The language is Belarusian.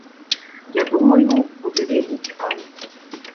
Я думаю, будзе вельмі цікава.